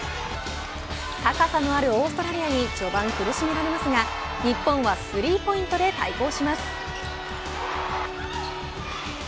高さのあるオーストラリアに序盤、苦しめられますが日本はスリーポイントで対抗します。